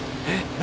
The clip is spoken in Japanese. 何？